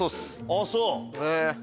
あっそう！